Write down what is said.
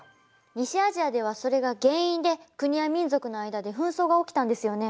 西アジアではそれが原因で国や民族の間で紛争が起きたんですよね。